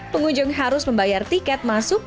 pengunjung harus membayar tiket masuk